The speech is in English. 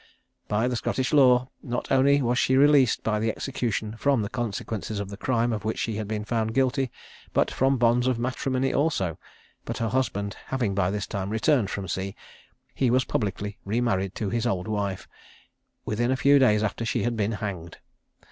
By the Scottish law, not only was she released by the execution from the consequences of the crime of which she had been found guilty, but from the bonds of matrimony also; but her husband having by this time returned from sea, he was publicly re married to his old wife, within a few days after she had been hanged.